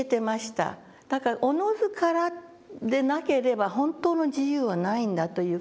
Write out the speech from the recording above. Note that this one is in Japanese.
だから自ずからでなければ本当の自由はないんだという事。